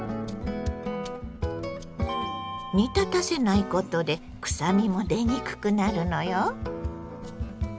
煮立たせないことでくさみも出にくくなるのよ。